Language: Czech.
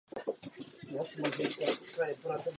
Ovšem.